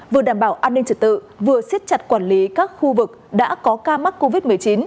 vừa đảm bảo an ninh trật tự vừa siết chặt quản lý các khu vực đã có ca mắc covid một mươi chín